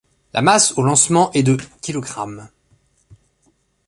La masse au lancement est de kilogrammes.